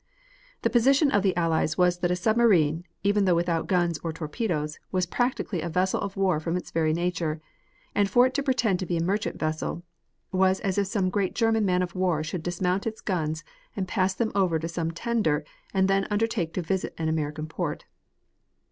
The position of the Allies was that a submarine, even though without guns or torpedoes, was practically a vessel of war from its very nature, and for it to pretend to be a merchant vessel was as if some great German man of war should dismount its guns and pass them over to some tender and then undertake to visit an American port.